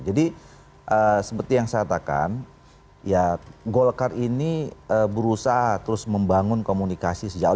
jadi seperti yang saya katakan ya golkar ini berusaha terus membangun komunikasi sejauh